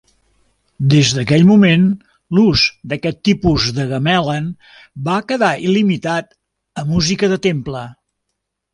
Des d'aquell moment, l'ús d'aquest tipus de gamelan va quedar limitat a música de temple.